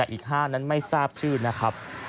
อีก๕นั้นไม่ทราบชื่อนะครับ